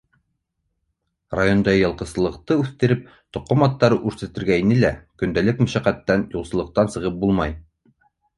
Районда йылҡысылыҡты үҫтереп, тоҡом аттары үрсетергә ине лә - көндәлек мәшәҡәттән, юҡсыллыҡтан сығып булмай.